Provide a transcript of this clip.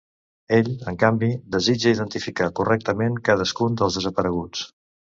Ell, en canvi, desitja identificar correctament cadascun dels desapareguts.